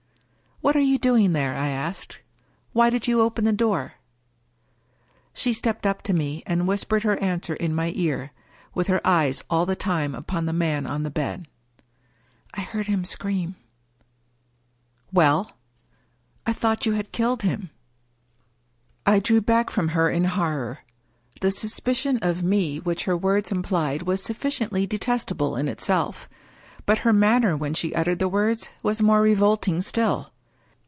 " What are you doing there ?" I asked. " Why did you open the door?" She stepped up to me, and whispered her answer in my ear, with her eyes all the time upon the man on the bed :" I heard him scream/' "Well?" 269 English Mystery Stories " I thought you had killed him." I drew back from her in horror. The suspicion of me which her words implied was sufficiently detestable in itself. But her manner when she uttered the words was more re volting still.